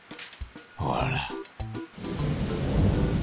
ほら。